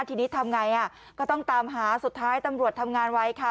ทีนี้ทำไงก็ต้องตามหาสุดท้ายตำรวจทำงานไว้ค่ะ